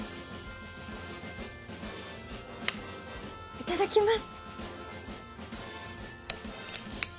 いただきます。